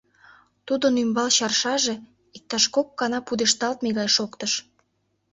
Тудын ӱмбал чарШаже иктаж кок гана пудешталтме гай шоктыш.